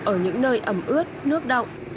ở những nơi ẩm ướt nước đọng